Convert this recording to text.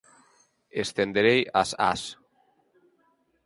Estenderei as ás